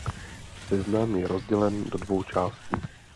Seznam je rozdělen do dvou částí.